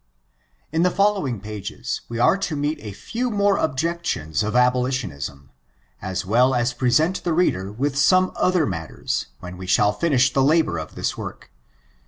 In the following pages, we are to meet a few more objections of abolitionism, as well as present the read er with some other matters, when we shall finish the labor of this work.